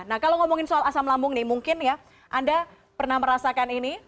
nah kalau ngomongin soal asam lambung nih mungkin ya anda pernah merasakan ini